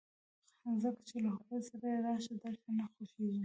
ځکه چې له هغوی سره یې راشه درشه نه خوښېږي